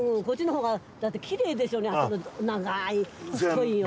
こっちのほうがだってきれいでしょ長い。